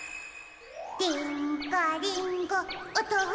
リーンゴリンゴおとうふ